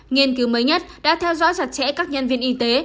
nghiên cứu mới nhất đã theo dõi chặt chẽ các nhân viên y tế